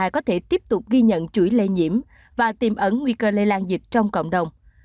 có thể tiếp tục ghi nhận chuỗi lây nhiễm và tiềm ấn nguy cơ lây lan dịch trong cộng đồng